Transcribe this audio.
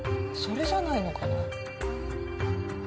それじゃないのかな。